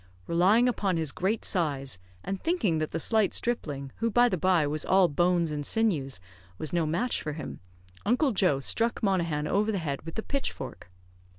Relying upon his great size, and thinking that the slight stripling, who, by the bye, was all bones and sinews, was no match for him, Uncle Joe struck Monaghan over the head with the pitchfork.